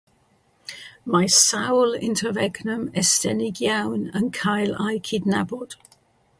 Mae sawl inter-regnum estynedig iawn yn cael eu cydnabod.